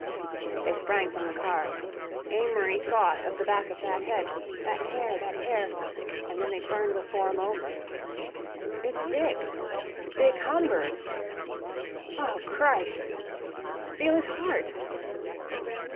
They sprang from the car. Amory thought of the back of that head—that hair—that hair... and then they turned the form over. "It's Dick—Dick Humbird!" "Oh, Christ!" "Feel his heart!"